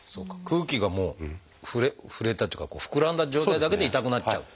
空気がもう触れたっていうか膨らんだ状態だけで痛くなっちゃう。